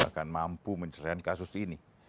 akan mampu menceritakan kasus ini